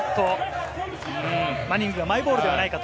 マニングがマイボールではないかと。